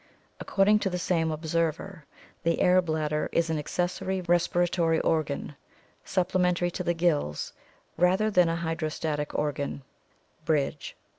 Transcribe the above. According to the same observer, the air bladder is an accessory respiratory organ, supple mentary to the gills, rather than a hydrostatic organ" (Bridge).